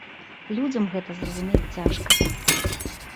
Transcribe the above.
Людзям гэта зразумець цяжка.